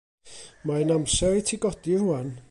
Mae'n amser i ti godi rŵan.